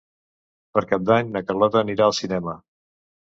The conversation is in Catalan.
Per Cap d'Any na Carlota anirà al cinema.